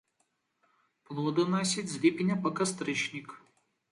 Плоданасіць з ліпеня па кастрычнік.